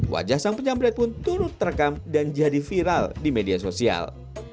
wajah sang penyambret pun turut terekam dan jadi viral di media sosial